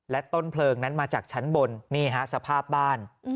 ต้นเพลิงนั้นมาจากชั้นบนนี่ฮะสภาพบ้าน